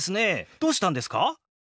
どうしたんですか？